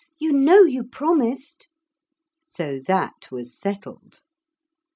You know you promised.' So that was settled.